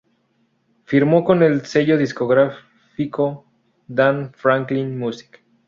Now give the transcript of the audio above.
Firmó con el sello discográfico Dan Franklin Music.